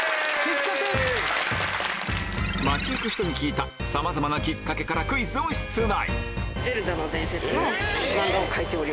街行く人に聞いたさまざまなキッカケからクイズを出題